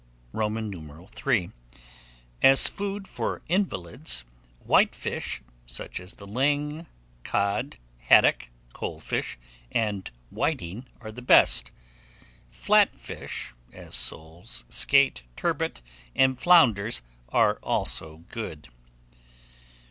III. As food for invalids, white fish, such as the ling, cod, haddock, coal fish, and whiting, are the best; flat fish, as soles, skate, turbot, and flounders, are also good.